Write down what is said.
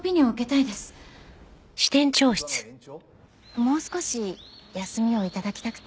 もう少し休みを頂きたくて。